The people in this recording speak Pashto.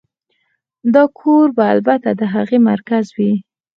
دا کور به البته د هغې مرکز وي